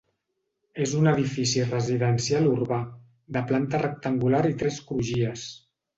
És un edifici residencial urbà, de planta rectangular i tres crugies.